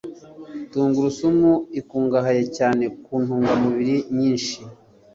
Tungurusumu ikungahaye cyane ku ntungamubiri nyinshi